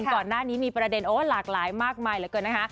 ก่อนหน้านี้มีประเด็นโอ้หลากหลายมากมายเหลือเกินนะคะ